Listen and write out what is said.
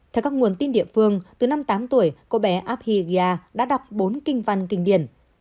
theo các nguồn tin địa phương từ năm tám tuổi cô bé abhigia đã đọc bốn kinh văn kinh điển